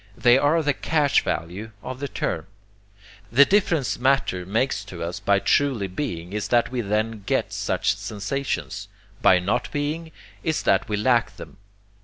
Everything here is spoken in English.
They are the cash value of the term. The difference matter makes to us by truly being is that we then get such sensations; by not being, is that we lack them.